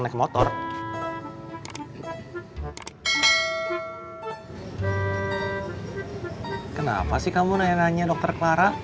kenapa sih kamu nanya nanya dokter clara